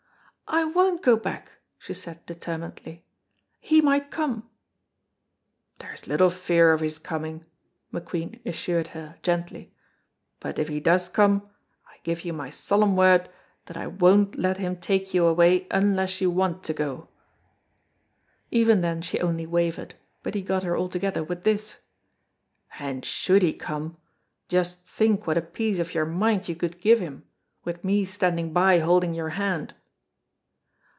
"I won't go back," she said, determinedly, "he might come." "There's little fear of his coming," McQueen assured her, gently, "but if he does come I give you my solemn word that I won't let him take you away unless you want to go." Even then she only wavered, but he got her altogether with this: "And should he come, just think what a piece of your mind you could give him, with me standing by holding your hand."